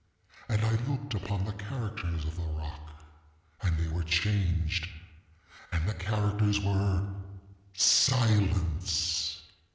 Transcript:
And I looked upon the characters of the rock, and they were changed; and the characters were SILENCE.